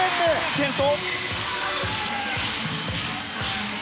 転倒！